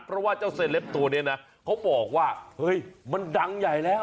เพราะว่าเจ้าเซเลปตัวนี้นะเขาบอกว่าเฮ้ยมันดังใหญ่แล้ว